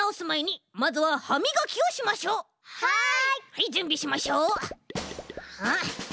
はいじゅんびしましょう。